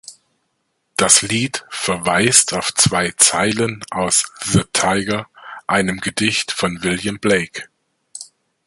Das Lied verweist auf zwei Zeilen aus The Tyger, einem Gedicht von William Blake.